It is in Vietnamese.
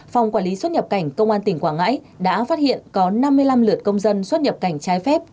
phòng quản lý xuất nhập cảnh công an tỉnh quảng ngãi đã phát hiện có năm mươi năm lượt công dân xuất nhập cảnh trái phép